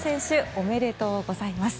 おめでとうございます。